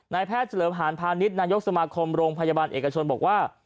แพทย์เฉลิมหานพาณิชย์นายกสมาคมโรงพยาบาลเอกชนบอกว่า